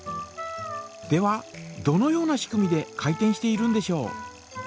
ではどのような仕組みで回転しているんでしょう。